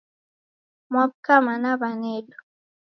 Mwaw'uka mana wanedu?